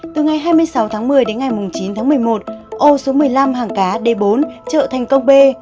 từ ngày hai mươi sáu tháng một mươi đến ngày chín tháng một mươi một ô số một mươi năm hàng cá d bốn chợ thành công b